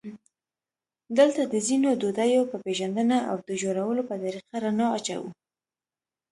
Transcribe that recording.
دلته د ځینو ډوډیو په پېژندنه او د جوړولو په طریقه رڼا اچوو.